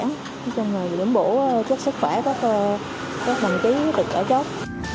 nói chung là để bổ chất sức khỏe các đăng ký được ở chốt